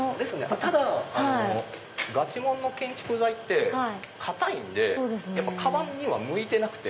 ただガチもんの建築材って硬いんでやっぱカバンには向いてなくて。